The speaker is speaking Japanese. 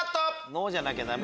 ノーじゃなきゃダメ